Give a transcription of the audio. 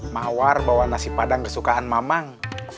mawar bawa nasi padang kesukaan mamang